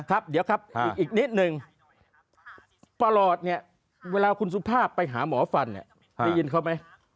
ครับเดี๋ยวครับอีกนิดนึงประหลอดเนี่ยเวลาคุณสุภาพไปหาหมอฟันเนี่ยได้ยินเขาไหม